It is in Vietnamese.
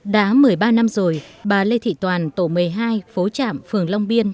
đã một mươi ba năm rồi bà lê thị toàn tổ một mươi hai phố trạm phường long biên